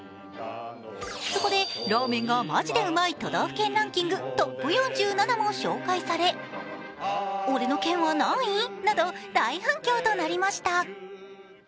そこで、ラーメンがマジでうまい都道府県ランキング、トップ４７も紹介され、俺の県は何位？など大反響となりました。